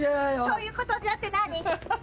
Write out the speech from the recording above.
「そういうことじゃ」って何？